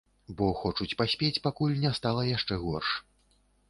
Бо хочуць паспець, пакуль не стала яшчэ горш.